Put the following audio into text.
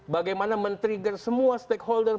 bagaimana men trigger semua stakeholder